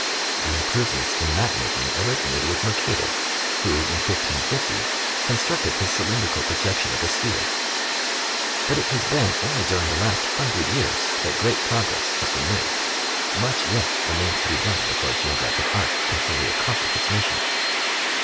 The improvements in map making originated with Mercator, who, in 1550 constructed his cylindrical projec tion of the sphere. But it has been only during the last hundred years that great progress has been made. Much yet remains to be done before geographic art can fully accomplish its mission.